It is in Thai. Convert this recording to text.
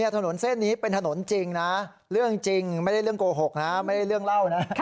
ถนนเส้นนี้เป็นถนนจริงนะเรื่องจริงไม่ได้เรื่องโกหกนะไม่ได้เรื่องเล่านะ